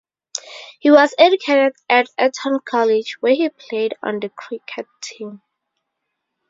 He was educated at Eton College, where he played on the cricket team.